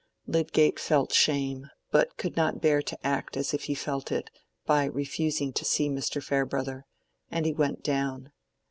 Lydgate felt shame, but could not bear to act as if he felt it, by refusing to see Mr. Farebrother; and he went down.